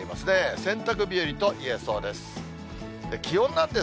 洗濯日和といえそうです。